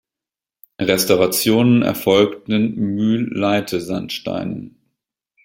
Restaurationen erfolgten in Mühlleite-Sandstein.